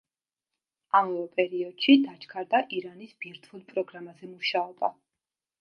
ამავე პერიოდში დაჩქარდა ირანის ბირთვულ პროგრამაზე მუშაობა.